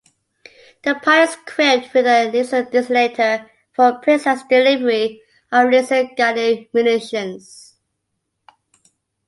The pod is equipped with a laser designator for precise delivery of laser-guided munitions.